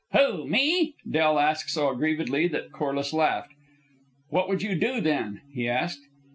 "Who? Me?" Del asked so aggrievedly that Corliss laughed. "What would you do, then?" he asked.